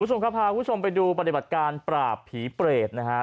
คุณผู้ชมครับพาคุณผู้ชมไปดูปฏิบัติการปราบผีเปรตนะฮะ